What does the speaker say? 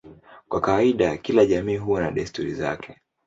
Kwa kawaida kila jamii huwa na desturi zake.